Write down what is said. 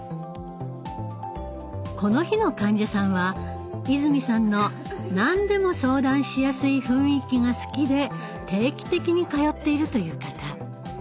この日の患者さんは泉さんの何でも相談しやすい雰囲気が好きで定期的に通っているという方。